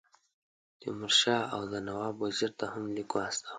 تیمور شاه اَوَد نواب وزیر ته هم لیک واستاوه.